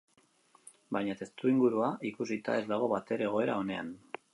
Baina testuingurua ikusita ez dago batere egoera onean.